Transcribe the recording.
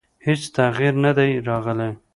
هېڅ تغییر نه دی راغلی.